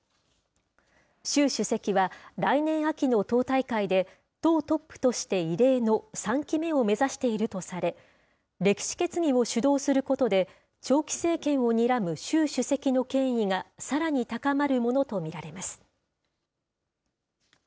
習主席は来年秋の党大会で、党トップとして異例の３期目を目指しているとされ、歴史決議を主導することで、長期政権をにらむ習主席の権威がさらに高まるものと見られます。